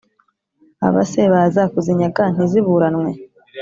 abase baza kuzinyaga ntiziburanwe